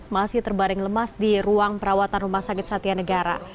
masih terbaring lemas di ruang perawatan rumah sakit satya negara